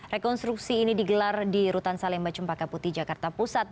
rekonstruksi ini digelar di rutan salemba cempaka putih jakarta pusat